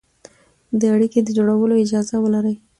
د اړيکې د جوړولو اجازه ولري،